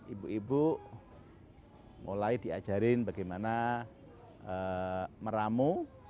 ibu ibu mulai diajarin bagaimana meramu